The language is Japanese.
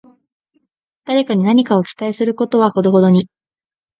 誰かに何かを期待することはほどほどに